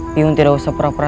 bingung tidak usah pura pura